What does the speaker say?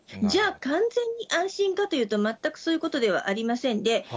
じゃあ、完全に安心かというと、全くそういうことではありませんで、